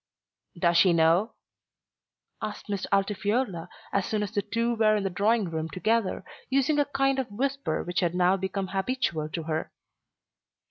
"Does she know?" asked Miss Altifiorla as soon as the two were in the drawing room together, using a kind of whisper which had now become habitual to her.